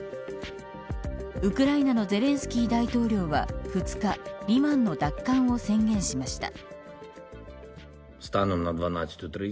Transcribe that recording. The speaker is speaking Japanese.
ウクライナのゼレンスキー大統領は２日リマンの奪還を宣言しました。